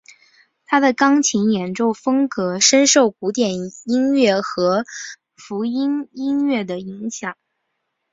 他的钢琴演奏风格深受古典音乐和福音音乐的影响。